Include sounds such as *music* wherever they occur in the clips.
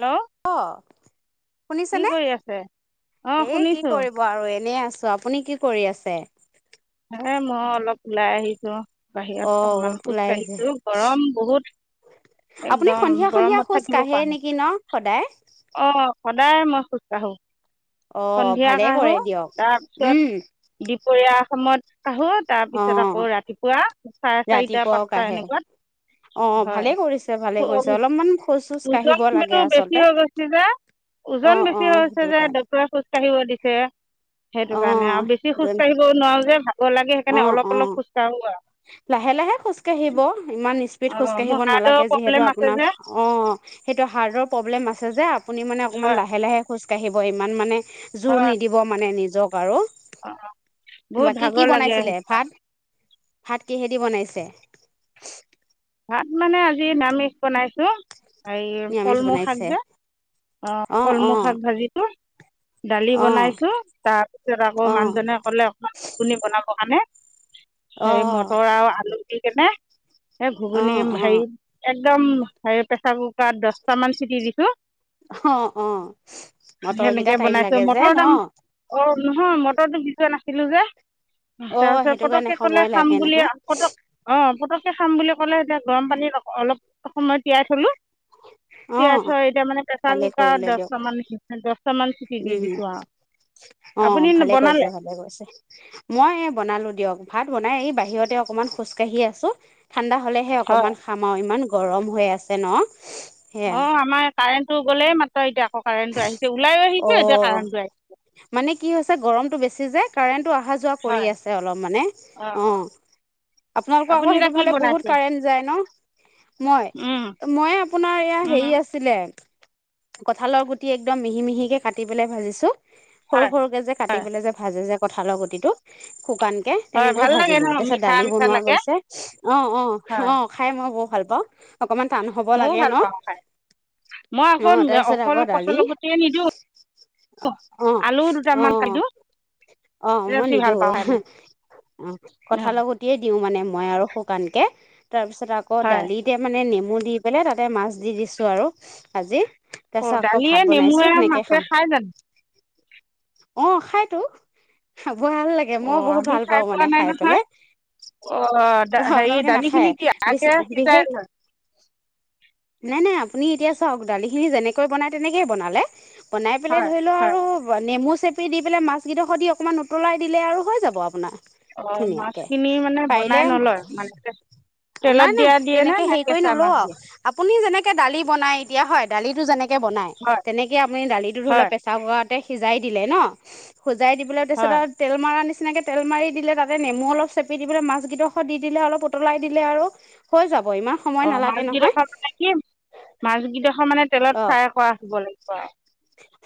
Hello অ শুনিছে কি নে কৰি আছে অঁ এ কি শুনিছোঁ কৰিব কব আৰু এনেই আছো আপুনি কি কৰি আছে হ মই অলপ ওলাই আহিছো অ বাহিৰত অকমান খোজ ওলাই আহিছে কাঢ়িছো গৰম বহুত আপুনি একদম সন্ধিয়া সন্ধিয়া গৰমত খোজ থাকিব কাঢ়ে পৰা নাই নেকি ন সদায় অ সদায় মই খোজ কাঢ়ো অ সন্ধিয়া ভালে কাঢ়ো কৰে দিয়ক তাৰপিছত উম দুপৰীয়া সময়ত কাঢ়ো তাৰ অ পিছত আকৌ ৰাতিপুৱা চাৰে চাৰিটা ৰাতিপুৱাও পাঁচটা কাঢ়ে এনেকুৱাত অ হয় ভালে কৰিছে ভালে কৰিছে অলপমান খোজ চোজ কাঢ়িব লাগে ওজনটো বেছি আচলতে হৈ গৈছে যে অ ওজন অ বেছি হৈছে সেইটো যে কাৰণে ডক্তৰে খো খোজ কাঢ়িব দিছে সেইটো অ কাৰণে আৰু বেছি সেইটো খোজ কাঢ়িব নোৱাৰো যে ভাগৰ লাগে অ সেইকাৰণে অলপ অ অলপ খোজ কাঢ়ো আৰু লাহে লাহে খোজ কাঢ়িব ইমান স্পীড অঁ মোৰ খোজকাঢ়িব হাৰ্টৰ নালাগে যিহেতু প্ৰব্লেম আছে যে আপোনাৰ অঁ সেইটো হাৰ্টৰ প্ৰব্লেম আছে যে আপুনি মানে অকণমান হয় লাহে লাহে খোজকাঢ়িব ইমান মানে জোৰ নিদিব মানে নিজক আৰু অ অ বহুত বাকী কি ভাগৰ লাগে সে বনাইছিলে ত ভাত ভাত কিহেদি বনাইছে ভাত মানে আজি নিৰামিষ বনাইছো এই নিৰামিষ কলমৌ শাক বনাইছে যে অ অ কলমৌ শাক ভাজিছো দালি অ বনাইছো তাৰপিছত আকৌ অ মান ধনিয়া লে অকণমান গুগুনি বনাব কাৰণে অ সেই মটৰ আৰু আলু দি কেনে এ অ অ ঘুগুনি হেৰি একদম হে প্ৰেচাৰ কুকাৰত দছটা মান চিটি দিছো অ অ মটৰকেইটা টাইম লাগে যে ন অ অ নহয় মটৰটো দিজোৱা নাছিলো যে অ তাৰ পিছত সেইটো কাৰণে পতককে কলে সময় খাম লাগে বুলি নহয় পটক অ পতককে খাম বুলি কলে এতিয়া গৰম পানীত অলপ সময় তিয়াই থলো অ তিয়াই থই এতিয়া মানে প্ৰেচাৰ ভালে কুকাৰ কৰিলে দিয়ক দহটা দহটামান দি দিছোঁ আৰু উম অ আপুনি ভালে বনালে কৰিছে ভালে কৰিছে। মই এ বনালো দিয়ক ভাত বনাই এই বাহিৰতে অকমান খোজ কাঢ়ি আছোঁ। ঠাণ্ডা হলেহে হয় অকনমান খাম আৰু ইমান গৰম হৈ আছে ন। সেয়াই অ আমাৰ কাৰেণ্টটো গ'লে এই মাত্ৰ এতিয়া আকৌ কাৰেণ্টটো আহিছে ওলাইয়ো অ আহিছো এতিয়া কাৰেণ্ট টো আহিছে। মানে কি হৈছে গৰমটো বেছি যে কাৰেণ্টো অহা যোৱা কৰি হয় আছে অলপ মানে অঁ অ আপোনালোকৰ আপুনি আকৌ এতিয়া সেইটোৰ কি ফালে বহুত বনাইছে কাৰেণ্ট যায় ন উম মই মই আপোনাৰ এইয়া উম হেৰি ছিলে কঠালৰ গুটি একদম মিহি মিহিকে কাটি পেলাই ভাজিছো। সৰু হয় সৰুকে যে কাটি পেলাই যে ভাজে যে কঠালৰ গুটিটো শুকান হয় তেনেকৈ ভাল লাগে ভাজিলো। ন তাৰপিছত মিঠা দালি মিঠা বনোৱা লাগে হৈছে অ' অ' হয় অ'। খাই মই বৰ ভাল পাওঁ। অকমান টান হ'ব ময়ও লাগে ভাল ন পাওঁ খাই, মই অ আকৌ তাৰপিছত অকল আকৌ দালি কঠালৰ গুটয়ে নিদিওঁ। অ আলুও অ দুটামান কাটো। অ' মই নিদিওঁ, মানে কঠালৰ গুটিয়ে দিওঁ মানে মই আৰু শুকানকে। তাৰপিছত আকৌ হয় দালিত এতিয়া মানে নেমু দি পেলাই তাতে মাছ দি দিছোঁ আৰু আজি। অ' তাৰপাছত দালিয়ে ভাত বনাইছো নেমুৱে সেনেকে মাছে খাম। খাই জানো অ' খাইতো, ভাল লাগে। মই অ' বহুত আমি ভাল পাওঁ পোৱা মানে নাই খাই নহয় পেলাই। অ' দা অহ, হেৰি আপোনালোকে দালিখিনি নাখায়? কি আগে বিশেষ সিজাই লয় নাই, নাই আপুনি এতিয়া চাওঁক দালিখিনি যেনেকৈ বনাই তেনেকে বনালে। বনাই পেলাই হয় ধৰি ল হয় আৰু নেমু চেপি দি পেলাই মাছ কেইডোখৰ দি অকমান উতলাই দিলে আৰু হৈ যাব আপোনাৰ। অ' ধুনীয়াকে মাছখিনি মানে বনাই পাৰিলে নলয়? মানে তেলত নাই নাই দিয়া দিয়ে নে? তেনেকে নে হেৰি কৰি কেঁচা নলওঁ মাছ আৰু দিয়ে? আপুনি যেনেকে দালি বনাই এতিয়া হয়, দালিটো যেনেকে বনাই হয় তেনেকে আপুনি দালিটো ধৰি হয় লওঁক প্ৰেচাৰ কুকাৰতে সিজাই দিলে ন, সিজাই দিবলৈ তাৰপিছত হয় আৰু তেল মৰা নিচিনাকে তেল মাৰি দিলে, তাতে নেমু অলপ চেপি দি পেলাই মাছ কেইডোখৰ দি দিলে অলপ উতলাই দিলে আৰু হৈ যাব। ইমান সময় অ' নালাগে নহয় মাছকেইডোখৰ মানে কি মাছ কেইডোখৰ মানে অ তেলত ফ্ৰাই কৰা হ'ব লাগিব।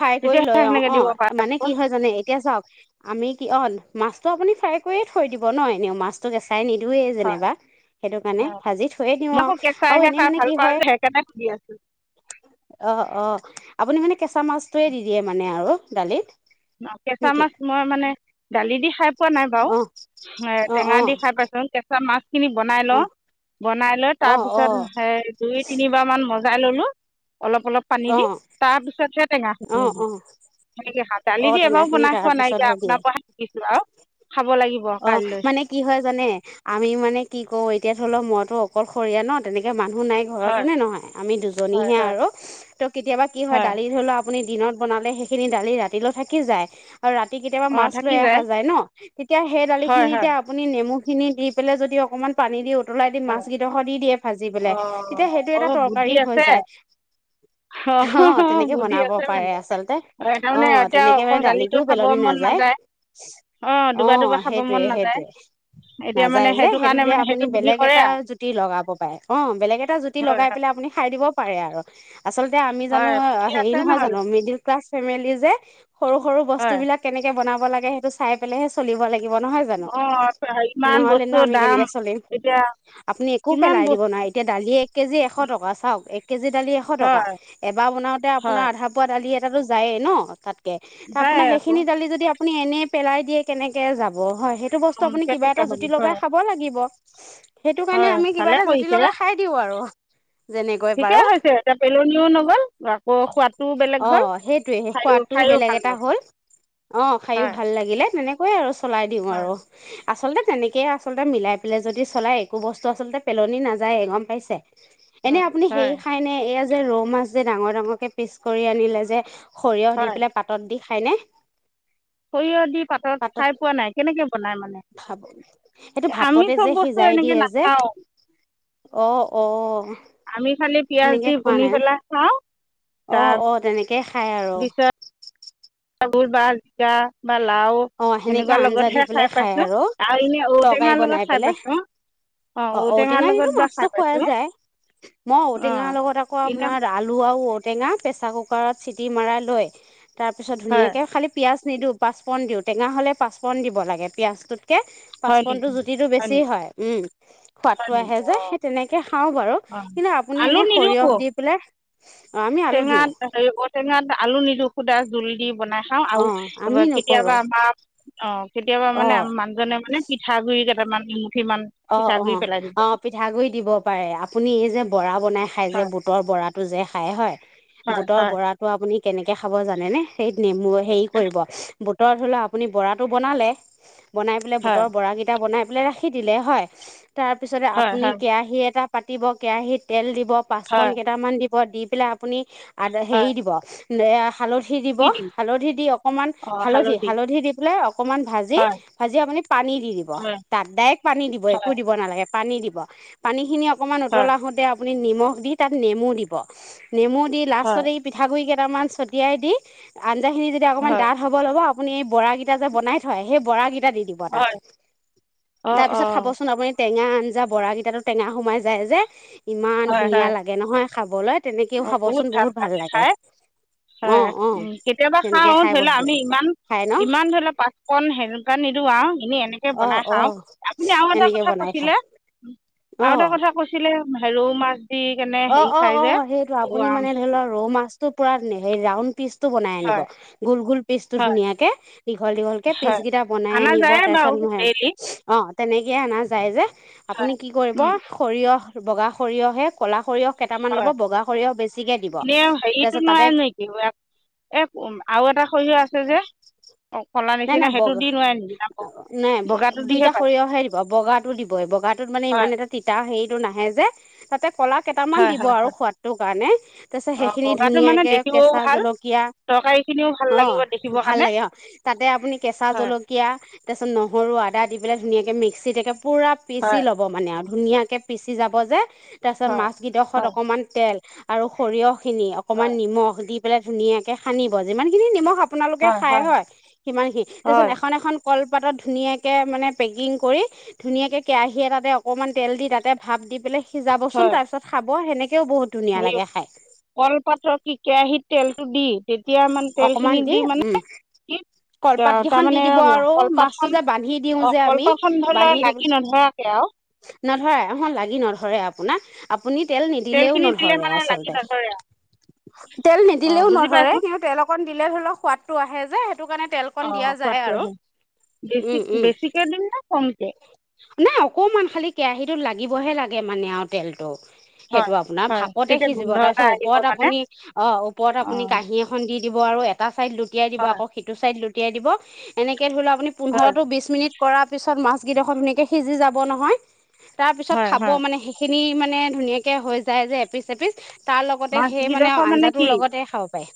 ফ্ৰাই কৰি তেতিয়াহে লৈ অ', সেনেকে দিব পৰা অ' যাব মানে কি হয় জানে, এতিয়া চাওঁক আমি কি অ', মাছটো আপুনি ফ্ৰাই কৰিয়ে থৈ দিব ন, এনেও মাছটো কেঁচাই নিদোৱেই হয় যেনিবা। সেইটো কাৰণে ভাজি থৈয়ে মই দিওঁ আকৌ আৰু, আৰু কেঁচাইহে এনে খাই মানে ভাল কি পাওঁ হয় যে সেইকাৰণে সুধি আছোঁ অ', অ' আপুনি মানে কেঁচা মাছটোয়ে দি দিয়ে মানে আৰু দালিত? কেঁচা নেকি মাছ মই মানে দালি দি খাই পোৱা নাই বাৰু। অ অ টেঙা অ দি খাই পাইছোঁ। মাছখিনি বনাই অ লওঁ, বনাই লৈ অ অ তাৰপিছত হেই দুই তিনিবাৰ মান মজাই ল'লো অলপ অলপ পানী অ দি, তাৰপিছতে টেঙা অ দি দিওঁ। অ দালি অ দি এবাৰো টেঙাখিনি বনাই খোৱা নাই। এতিয়া তাৰপিছতহে দিয়ে আপোনাৰ পৰা শিকিছো আৰু খাব লাগিব। অ' কাইলৈ মানে কি হয় জানে, আমি মানে কি কৰোঁ এতিয়া ধৰি লও'ক মইতো অকলশৰীয়া ন তেনেকৈ মানুহ নাই। ঘৰত হয় হয়নে নহয়? আমি হয় দুজনীহে হয় আৰু, ত' কেতিয়াবা কি হয় দালি ধৰি লওঁক আপুনি দিনত বনালে সেইখিনি দালি ৰাতিলৈ থাকি যায়। আৰু ৰাতি কেতিয়াবা অঁ মাছ থাকি লৈ অহা যায় ন, তেতিয়া সেই হয় হয় দালিখিনিতে আপুনি নেমুখিনি দি পেলাই যদি অকণমান পানী দি উতলাই দি মাছ হয় কেইডোখৰ দি দিয়ে ভাজি পেলাই, অঁ তেতিয়া সেইটো এটা অঁ বুদ্ধি তৰকাৰী হৈ আছে যায়। অঁ অ' তেনেকে বুদ্ধি বনাব আছে পাৰে মানে আচলতে অঁ, তাৰমানে অ', এতিয়া তেনেকে অকল মানে দালি দালিটো টো খাব পেলনি মন নাযায়। অঁ দুবাৰ অ', দুবাৰ খাব মন সেইটোয়ে নাযায় সেইটোয়ে, এতিয়া নাযায় মানে যে সেইটো কাৰণে দিয়ে মানে আপুনি বুদ্ধি বেলেগ এ কৰে টা আৰু জুতি লগাব পাৰে, অ' বেলেগ এটা জুতি হয় লগাই পেলাই আপুনি খাই দিব পাৰে আৰু। আচলতে আমি জানো হয় পুঠি হেৰি আছে নহয় নহ'লে জানো, মিডিল ক্লাছ ফেমিলি যে সৰু সৰু বস্তু হয় বিলাক কেনেকে বনাব লাগে সেইটো চাই পেলাইহে চলিব লাগিব নহয় জানো অঁ ইমান নহলে ন, বস্তুৰ আমি দাম কেনেকে চলিম এতিয়া আপুনি একো কিমান পেলাই দিব বস্তু নাই এতিয়া দালি এক কেজি এশ টকা চাওক এক কেজি দালি এশ টকা হয় এবাৰ বনাওঁতে আপোনাৰ হয় আধা পোৱা দালি এটাটো যায় ন, তাতকে তা যায় আপোনাৰ আকৌ সেইখিনি দালি যদি আপুনি এনে পেলাই দিয়ে কেনেকে যাব হয় সেই সেইটো বস্তু আপুনি কিবা কেনেকৈ এটা হ'ব জুতি লগাই হয় খাব লাগিব সেইটো কাৰণে হয় আমি কিবা ভালে এটা জুতি কৰিছে লগাই খাই দিওঁ আৰু। যেনেকৈ ঠিকে পাৰো হৈছে এতিয়া পেলনিও নগল আকৌ সোৱাদটোও বেলেগ হ'ল *unintelligible* টো বেলেগ এটা লাগে হ'ল অ, খাইও হয় ভাল লাগিলে তেনেকৈয়ে আৰু চলাই দিওঁ হয় আৰু। আচলতে তেনেকেই আচলতে মিলাই পেলাই যদি চলাই একো বস্তু আচলতে পেলনি নাযায় গম পাইছে? এনে হয় আপুনি সেই হয় খাই নে এয়া যে ৰৌ মাছ যে ডাঙৰ-ডাঙৰকে পিচ কৰি আনিলে যে সৰিয়হ দি হয় পেলাই পাতত দি খাইনে? সৰিয়হ দি পাতত খাই পোৱা নাই কেনেকে বনাই মানে ভাপ সেইটো আমি ভাপতে যে চব বস্তু সিজাই দিয়ে এনেকে না যে খাওঁ। অ', অ', আমি খালি পিয়াজ সেনেকে দি খোৱা বুনি নাই পেলাই খাওঁ অ *unintelligible* অ তেনেকে খায় আৰু। *unintelligible* বা জিকা বা লাও অ সেনেকে সেনেকুৱা আঞ্জা দি লগতহে খাই পেলাই পাইছো আৰু এনে তৰকাৰী ঔটেঙাৰ লগত বনাই খাই পেলাই পাইছো। অ, ঔটেঙাৰ ঔটেঙা দিলো লগত বা মাছটো খাই খোৱা পাইছো। যায় মই ঔটেঙাৰ লগত আকৌ আপোনাৰ আলু আৰু ঔ টেঙা প্ৰেছাৰ কুকাৰত চিটি মৰাই লৈ তাৰপিছত হয় ধুনীয়াকে খালী পিয়াজ নিদিওঁ পাঁচপূৰণ দিওঁ টেঙা হ'লে পাঁচপূৰণ দিব লাগে পিয়াজটোতকে হয় নেকি পাঁচপূৰনটোৰ জুতিটো বেছি নেকি হয় উম, সোৱাদটো হয় নেকি আহে যে অঁ সেই তেনেকে খাওঁ বাৰু অঁ কিন্তু আপুনি আলু এনে নিদিওঁ সৰিয়হ দি পেলাই অঁ আমি আলু দিওঁ টেঙাত এ হেৰী ঔ টেঙাত আলু নিদিওঁ সুধা জোল দি বনাই খাওঁ আৰু অঁ আমি *unintelligible* নকৰোঁ কেতিয়াবা আমাৰ অ, কেতিয়াবা মানে অঁ আম মানুহজনে মানে পিঠা গুৰি কেইটামান দুইমুঠিমান অ', অ', অ', পিঠাগুৰি দিব পাৰে আপুনি এই যে বৰা বনাই খাই যে হয় বুট বুটৰ বৰাটো যে খায় হয় হয় বুটৰ হয় বৰাটো আপুনি কেনেকে খাব জানেনে সেইত নেমু হেৰি কৰিব বুটৰ ধৰি লও আপুনি বৰাটো বনালে বনাই পেলাই হয় বুটৰ বৰাকেইটা বনাই পেলাই ৰাখি দিলে হয় তাৰপিছতে হয় আপুনি হয় কেৰাহী এটা পাতিব কেৰাহিত তেল দিব হয় পাঁচপূৰন কেইটামান দিব দি পেলাই আপুনি আদ হয় হেৰি দিব এইয়া হালধি দিব দি দিম হালধি অকণমান হালধি- হালধি দি পেলাই অকণমান ভাজি হয়, ভাজি আপুনি পানী দি দিব হয়, তাত ডাইৰেক্ট পানী দিব একো হয়, দিব নালাগে পানী দিব পানী খিনি অকমান হয়, উতলা হওতে আপ আপুনি নিমখ দি তাত নেমু দিব নেমু দি লাষ্টত হয়, এই পিঠাগুৰি কেইটামান ছটিয়াই দি আঞ্জাখিনি যেতিয়া অকণমান হয়, ডাঠ থ'ব ল'ব আপুনি এই বৰাকেইটা যে বনাই থয় সেই বৰাকেইটা দি দিব তাত। হয়। অ', তাৰপিছত অ', খাবচোন আপুনি টেঙা আঞ্জা বৰাকেইটাটো টেঙা সোমাই যায় যে ইমান হয়, ধুনীয়া হয়। লাগ গে নহয় খাবলৈ অ, বহুত ভাল লাগে খাই। অ হয় অ উম, কেতিয়াবা তেনেকে খাও খাই ধৰি বৰ লোৱা ভাল আমি লাগে খাই ন ইমান-ইমান ধৰি লোৱা পাত কন সেনেকুৱা নিদিও আৰু এনে-এনে *unintelligible* অ বনাই অ খাও আপুনি আৰু এটা এনেকে কথা বনাই খাই কৈছিলে - আৰু অ এটা কথা কৈছ ছিলে হে ৰৌ মাছ *unintelligible* কেনে হেৰি অ', অ', খাই যে অ', সেইটো আপুনি ওৱা মানে ধৰি লওঁক ৰৌ মাছটো পুৰা ৰাউন পিচটো বনাই আনিব। হয়, গোল গোল পিচটো হয়, ধুনীয়াকে। দীঘল দীঘলকে পিচ হয়। কিটা বনাই আনা আনিব যায় বাৰু তাৰপিছত মই ডেইলি অ', তেনেকেয়ে আনা যায় যে, হয়, আপুনি কি কৰিব উম, সৰিয়হ বগা সৰিয়হে ক'লা সৰিয়হ কেইটামান ল'ব হয়। বগা সৰিয়হ বেছিকে দিব তাৰপিছত তাতে এ আৰু এটা সৰিয়হ আছে যে অঁ ক'লা নাই, নিচিনা নাই সেইটো বগা দি নোৱাৰে নেকি আকৌ নাই বগাটো দিহে দুইটা পায় সৰিয়হে দিব বগাটো দিব বগাত মানে ইমান হয় এটা তিতা হেৰিটো নাহে যে, তাতে ক'লাত কেইটামান হয় দিব হয় আৰু সোৱাদটোৰ কাৰণে তাৰপিছত অঁ সেইখিনি বগাটো মানে ধুনীয়াকে দেখিবও কেঁচা ভাল জলকীয়া। তৰকাৰীখিনিও ভাল লাগিব অ', দেখিবৰ ভাল কাৰণে লাগে অ'। তাতে, আপুনি কেঁচা হয় জলকীয়া তাৰপিছত নহৰু আদা দি পেলাই ধুনীয়াকে মিক্সিত একে পুৰা পিচি হয় ল'ব মানে আৰু ধুনীয়াকে পিচি যাব যে, তাৰপিছত হয় মাছ কিডখত হয় অকমান তেল আৰু সৰিয়হখিনি অকমান হয় নিমখ দি পেলাই ধুনীয়াকে সানিব যিমানখিনি নিমখ আপ আপোনালোকে খাই হয়, সিমানখি তাৰপিছত হয় এখন এখন কলপাতত ধুনীয়াকে মানে পেকিং কৰি ধুনীয়াকে কেৰাহী এটাতে অকমান তেল দি তাতে ভাপ দি পেলে সিজাব চোন তাৰপিছত খাব সেনেকেও বহুত ধুনীয়া হেয়ি লাগে খাই কলপাতত কি কেৰাহীত তেলটো দি তেতিয়া মানে অকণমান তেলখিনি দি উম মানে কলপাত কেইখন দি তাৰমানে দিব আৰু মাছটো কলপাতখন যে বান্ধি দিওঁ অ', যে আমি কলপাতখন ধৰি ল' বান্ধি দি লাগি নধৰাকে আও নধৰে অ', লাগি নধৰে আপোনাৰ। আপুনি তেল নিদিলেও তেলখিনি দিলে নধৰে মানে লাগি আচলতে, নধৰে আৰু তেল অঁ নিদিলেও বুজি নধ পাইছোঁ তেল অকণ দিলে ধৰি ল, সোৱাদটো আহে যে, সেইটোকাৰণে তেল অ', সোৱাটো আহে উম উম বেছিক-বেছিকে দিমনে কমকে? নাই অকমান খালী কেৰাহীটো লাগিবহে লাগে মানে আৰু তেলটো। সেইটো হয়, আপোনাৰ হয়। ভাপতে তেতিয়া সিজিব গোন্ধ এটা তাৰপিছত আহিব ওপৰত মানে আপুনি অ', ওপৰত আপু অ', এখন দি দিব আৰু এটা ছাইড লুটিয়াই দিব হয়, আকৌ সিটো ছাইড লুটিয়াই দিব এনেকে ধৰি ল' আপুনি হয়, পোন্ধৰটো বিচ মিনিট কৰা পিছত মাছ কিডখৰ ধুনীয়াকে সিজি যাব নহয়। তাৰপিছত হয়, খাব হয়। মানে সেইখিনি মানে ধুনীয়াকে হৈ যায় যে, এপিচ এপিচ তাৰলগতে সেই মানে মাছকেইডোখৰ আঞ্জাটোৰ কি লগতে খাব পাৰে।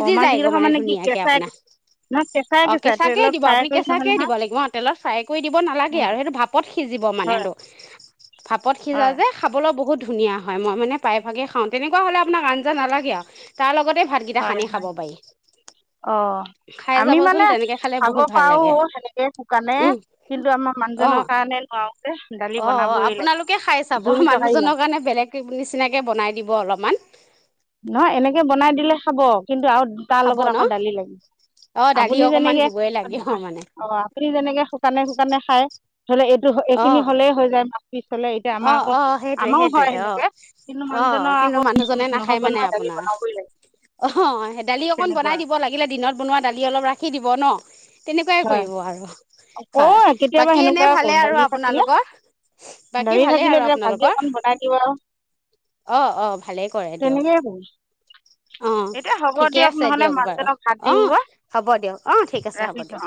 অ', যায়গৈ মাছকেইডোখৰ মানে কি ধুনীয়াকে কেঁচাই আপোনা। নহয় কেঁচাই অ', কেঁচাই কেঁচাকেই তেলত দিব ফ্ৰাই আপুনি কৰি নহয় কেঁচাকেই নহয় দিব লাগিব অ', তেলত ফ্ৰাই কৰি দিব নালাগে অ', আৰু সেইটো ভাপ ভাপত সিজিব মানে হয়, সেইটো ভাপত সিজা হয়, যে খাবলৈ বহুত ধুনীয়া হয়, মই মানে প্ৰায়ভাগে খাওঁ তেনেকুৱা হ'লে আপোনাক আঞ্জা নালাগে আৰু তাৰলগতে ভাতকিটা হয়, সানি হয়। খাব পাৰি। অ'। খাই আমি যাবচোন মানে তেনেকে খালে খাব বহুত ভাল লাগে পাৰোঁ সেনেকে শুকানে উম কিন্তু আমাৰ অ মানুহজনৰ কাৰণে নোৱাৰোঁ। অ', অ', আপোনালোকে খায় চাব জোল তৰকাৰী মানুহজনৰ লাগে কাৰণে বেলেগ নিচিনাকে বনাই দিব অলপমান। নহয় এনেকে বনাই দিলে খাব কিন্তু আৰু খাব তাৰলগত ন আকৌ দালি লাগিব অ দালি আপুনি অকমান যেনেকে দিবই লাগে অ মানে অ'। আপুনি যেনেকে শুকানে শুকানে খাই ধৰি ল' এইটো অ এইখিনি হ'লেই হৈ যায় পিছ হ'লে এতিয়া অ আমাৰ আকৌ অ সেইটোৱে আমাও সেইটোৱে হয়, সেনেকে কিন্তু মানুহজনৰ আকৌ জনে নাখায় নহ'ব মানে নহয় দালি আপোনাৰ বনাবই লাগে অ', দালি অকন বনাই তেনেকুৱা দিব লাগি থাকিলে দিনত বনোৱা দালি অলপ ৰাখি দিব ন। তেনেকুৱাই হয় কৰিব আৰু হয় কৰোঁ কেতিয়াবা বাকী এনে সেনেকুৱা ভালে কৰোঁ আৰু দালি থাকিলে আপোনালোকৰ। বাকী দালি ভালেই থাকিলে আৰু তেতিয়া ভাজি অকণ আপোনালোকৰ বনাই দিওঁ আৰু অ অ ভালেই কৰে দিয়ক। তেনেকেই অ এতিয়া হ'ব ঠিকে দিয়ক আছে নহ'লে বাৰু মানুজনক ভাত অ দিওঁ হ'ব দিয়ক অঁ ঠিক আছে হ'ব দিয়ক।